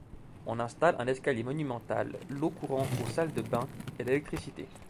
On installe un escalier monumental, l’eau courante aux salles de bains et l’électricité.